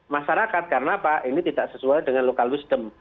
masyarakat karena apa ini tidak sesuai dengan local wisdom